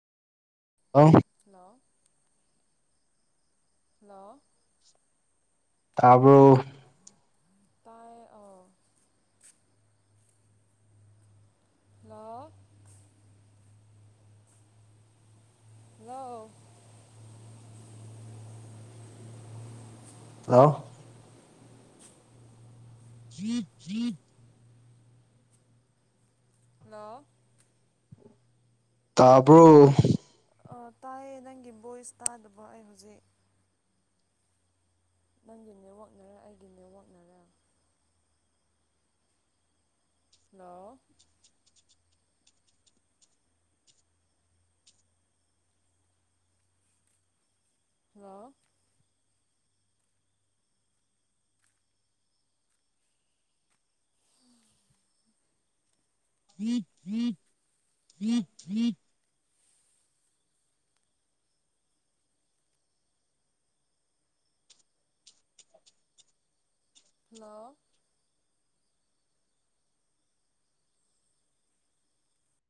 ꯑꯥꯎ ꯍꯂꯣ ꯅ ꯇꯥꯔꯕ ꯇꯥꯏ ꯍꯣ ꯂ [unintelligible] ꯍꯜꯂꯣ [inaudible] ꯆ ꯆꯠ ꯍ ꯇꯥꯄꯔꯣ ꯇꯥꯏꯌꯦ ꯅꯪꯒꯤ ꯚꯣꯏꯁ ꯇꯥꯗꯕ ꯑꯩ ꯍꯧꯖꯤꯛ ꯅꯪꯒꯤ ꯅꯦꯠꯋꯥꯛꯅꯔ ꯑꯩꯒꯤ ꯅꯦꯠꯋꯥꯛꯅꯔꯦ ꯅ ꯍꯜꯂ ꯃꯤꯠ ꯃꯤꯠ ꯃꯤꯠ ꯃꯤꯠ [unintelligible] ꯍꯜꯂꯣ